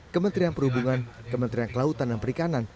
kementerian perhubungan kementerian kelautan dan perikanan